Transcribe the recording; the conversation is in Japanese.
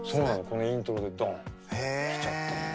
このイントロでどん。来ちゃったのよ。